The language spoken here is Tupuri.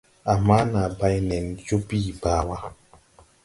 Ama na bay nen joo bìi baa wà.